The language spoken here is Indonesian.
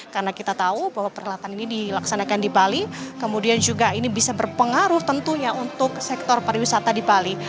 karena kita tahu bahwa perhelatan ini dilaksanakan di bali kemudian juga ini bisa berpengaruh tentunya untuk sektor pariwisata di bali